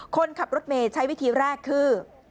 คนขับรถเมย์ใช้วิธีแรกคือ